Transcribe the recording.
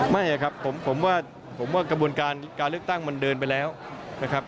ไม่ครับผมว่าผมว่ากระบวนการการเลือกตั้งมันเดินไปแล้วนะครับ